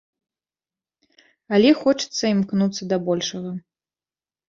Але хочацца імкнуцца да большага.